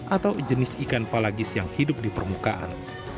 atau jenis ikan palagis yang hidup di permukaan